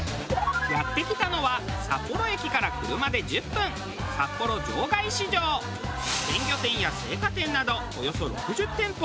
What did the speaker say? やって来たのは札幌駅から車で１０分鮮魚店や青果店などおよそ６０店舗。